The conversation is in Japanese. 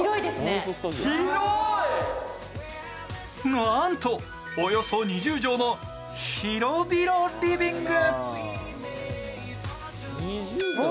なんと、およそ２０畳の広々リビング。